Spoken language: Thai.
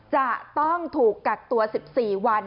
จะต้องถูกกักตัว๑๔วัน